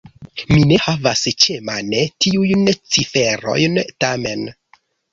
Mi ne havas ĉemane tiujn ciferojn, tamen.